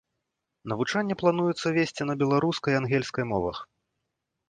Навучанне плануецца весці на беларускай і ангельскай мовах.